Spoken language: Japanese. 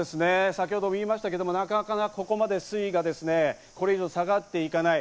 先ほども言いましたけど、なかなかここまで水位がこれ以上、下がっていかない。